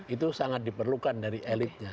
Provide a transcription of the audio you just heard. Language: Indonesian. itu sangat diperlukan dari elitnya